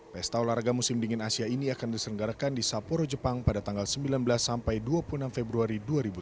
pesta olahraga musim dingin asia ini akan diselenggarakan di saporo jepang pada tanggal sembilan belas sampai dua puluh enam februari dua ribu tujuh belas